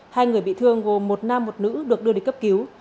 hai người bị thương gồm một nam một nữ được đưa đi cấp cứu